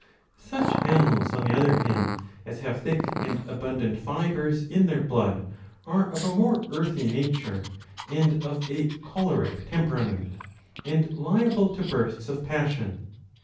^ Such animals on the other hand as have thick and abundant fibres in their blood are of a more earthy nature, and of a choleric temperament, and liable to bursts of passion.